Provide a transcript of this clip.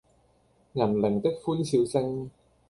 銀鈴的歡笑聲